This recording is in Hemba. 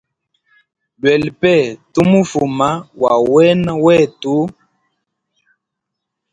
Lwela pe tu mufuma wa wena wetu.